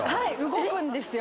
動くんですよ。